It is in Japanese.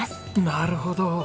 なるほど！